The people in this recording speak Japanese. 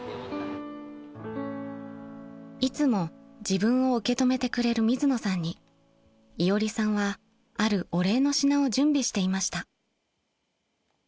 ［いつも自分を受け止めてくれる水野さんにいおりさんはあるお礼の品を準備していました］